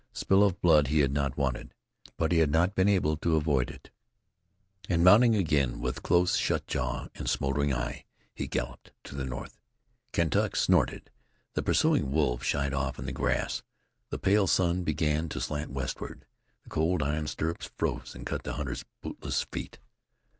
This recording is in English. Spill of blood he had not wanted. But he had not been able to avoid it; and mounting again with close shut jaw and smoldering eye, he galloped to the north. Kentuck snorted; the pursuing wolves shied off in the grass; the pale sun began to slant westward. The cold iron stirrups froze and cut the hunter's bootless feet.